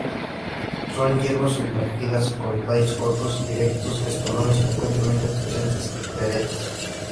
Son hierbas sumergidas; con tallos cortos y erectos; estolones frecuentemente presentes, teretes.